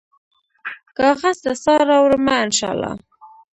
کاغذ ته سا راوړمه ، ان شا الله